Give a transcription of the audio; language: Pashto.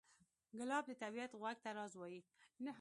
ګلاب د طبیعت غوږ ته راز وایي.